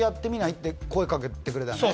って声掛けてくれたよね